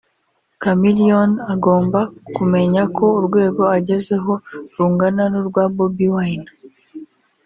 Chameleone agomba kumenya ko urwego agezeho rungana n’urwa Bobi Wine